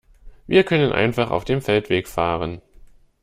Wir können einfach auf dem Feldweg fahren.